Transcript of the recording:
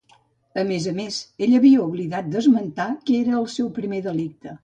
A més a més, ell havia oblidat d'esmentar que era el seu primer delicte.